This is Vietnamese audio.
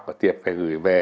và tiệp phải gửi về